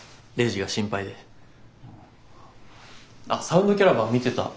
あっサウンドキャラバン見てた。